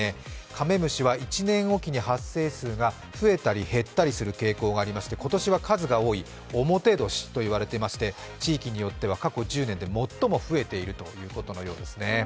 カメムシは１年おきに発生数が増えたり減ったりする傾向がありまして、今年は数が多い、表年といわれておりまして地域によっては過去１０年で最も増えているということのようです。